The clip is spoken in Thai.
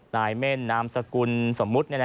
นายเม่นนามสกุลสมมุติ